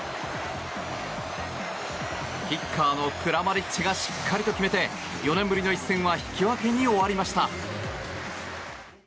キッカーのクラマリッチがしっかりと決めて４年ぶりの一戦は引き分けに終わりました。